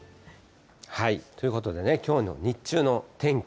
ということでね、きょうの日中の天気。